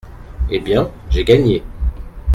Eh bien, j’ai gagné !…